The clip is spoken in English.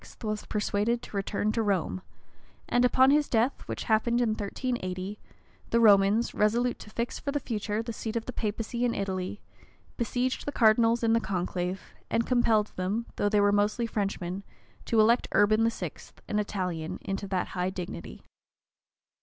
was persuaded to return to Rome; and upon his death, which happened in 1380, the Romans, resolute to fix, for the future, the seat of the papacy in Italy, besieged the cardinals in the conclave, and compelled them, though they were mostly Frenchmen, to elect Urban VI., an Italian, into that high dignity.